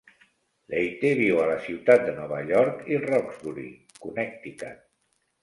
Leite viu a la ciutat de Nova York i Roxbury, Connecticut.